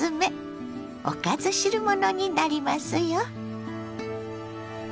おかず汁物になりますよ。